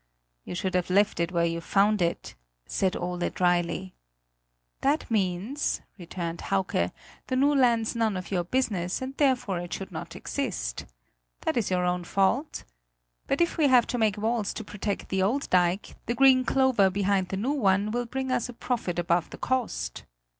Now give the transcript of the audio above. "You should have left it where you found it," said Ole drily. "That means," returned Hauke, "the new land's none of your business; and therefore it should not exist. That is your own fault. But if we have to make walls to protect the old dike, the green clover behind the new one will bring us a profit above the cost."